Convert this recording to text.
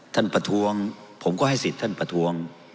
ประท้วงผมก็ให้สิทธิ์ท่านประท้วง